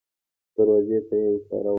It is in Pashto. دروازې ته يې اشاره وکړه.